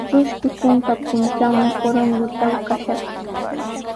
Trusku trunka puntrawmi Corongotraw kashaq.